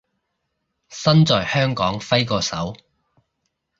身在香港揮個手